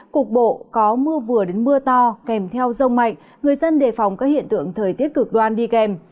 cục bộ có mưa vừa đến mưa to kèm theo rông mạnh người dân đề phòng các hiện tượng thời tiết cực đoan đi kèm